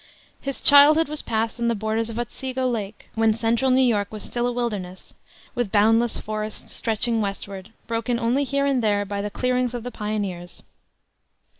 His childhood was passed on the borders of Otsego Lake, when central New York was still a wilderness, with boundless forests stretching westward, broken only here and there by the clearings of the pioneers.